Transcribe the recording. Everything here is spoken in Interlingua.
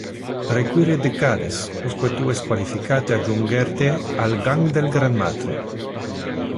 Require decades usque tu es qualificate a junger te al gang del granmatre.